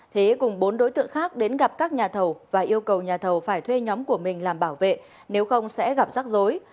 thế cùng bốn đối tượng khác đến gặp các nhà thầu và yêu cầu nhà thầu phải thuê nhóm của mình làm bảo vệ nếu không sẽ gặp rắc rối